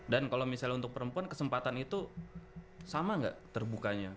dan kalau misalnya untuk perempuan kesempatan itu sama gak terbukanya